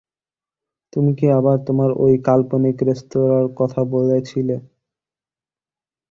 তুমি কি আবার তোমার ওই কাল্পনিক রেস্তোরাঁের কথা বলছিলে?